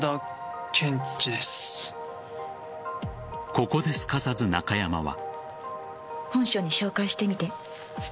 ここですかさず、中山は。